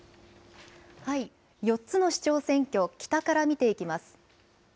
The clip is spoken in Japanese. ４つの市長選挙、北から見ていきます。